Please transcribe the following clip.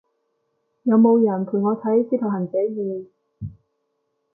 有冇人陪我睇使徒行者二？